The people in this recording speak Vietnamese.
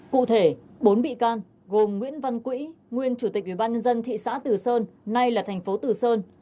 cụ thể bốn bị can gồm nguyễn văn quỹ nguyên chủ tịch ubnd thị xã từ sơn nay là tp từ sơn